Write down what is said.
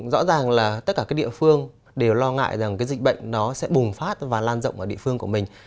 rõ ràng là tất cả các địa phương đều lo ngại rằng cái dịch bệnh nó sẽ bùng phát và lan rộng ở địa phương của mình